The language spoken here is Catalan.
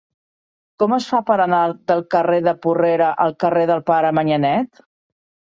Com es fa per anar del carrer de Porrera al carrer del Pare Manyanet?